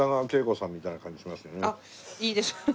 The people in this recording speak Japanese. あっいいですね。